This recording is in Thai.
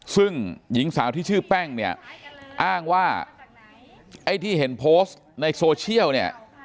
ซึ่งหญิงสาวที่ชื่อแป้งเนี่ยอ้างว่าไอ้ที่เห็นโพสต์ในโซเชียลเนี่ย